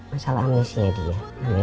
masalah amnesia dia